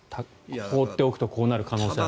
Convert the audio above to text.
放っておくとこうなる可能性が。